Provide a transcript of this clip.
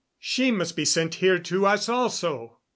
She must be sent here to us also."